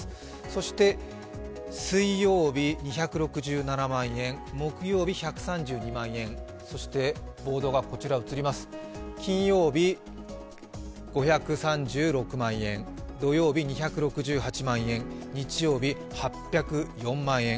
そして水曜日、２６７万円、木曜日、１３２万円、そして金曜日、５３６万円、土曜日２６８万円日曜日、８０４万円。